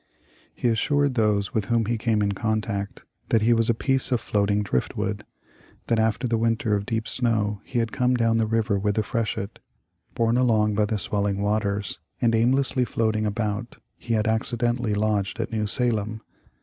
He assured those with whom he came in contact that he was a piece of floating driftwood ; that after the winter of deep snow, he had come down the river with the freshet ; borne along by the swelling waters, and aimlessly floating about, he had accidentally lodged at New Salem.